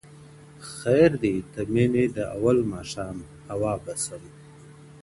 خير دی د مني د اول ماښام هوا به سم~